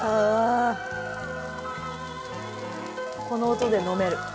この音で飲める？